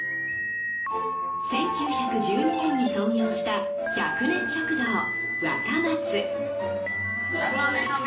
１９１２年に創業した１００年食堂、若松。